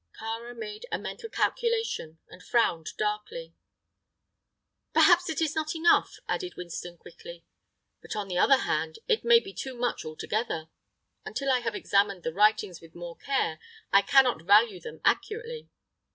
Kāra made a mental calculation and frowned darkly. "Perhaps it is not enough," added Winston, quickly; "but on the other hand it may be too much altogether. Until I have examined the writings with more care I cannot value them accurately."